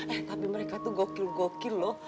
eh tapi mereka tuh gokil goki loh